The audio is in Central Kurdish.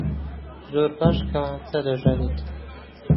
زۆر باش کەمانچە دەژەنێت.